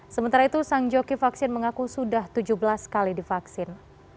sementara itu sang joki vaksin mengaku sudah tujuh belas kali divaksin